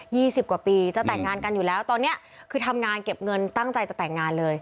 ี่สิบกว่าปีจะแต่งงานกันอยู่แล้วตอนเนี้ยคือทำงานเก็บเงินตั้งใจจะแต่งงานเลย